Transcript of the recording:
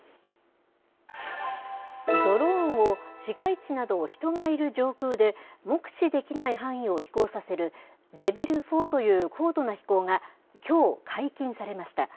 ドローンを市街地など人がいる上空で、目視できない範囲を飛行させるレベル４という高度な飛行が、きょう、解禁されました。